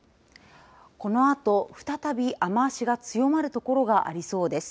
このあと再び雨足が強まる所がありそうです。